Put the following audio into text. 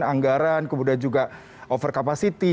anggaran kemudian juga over capacity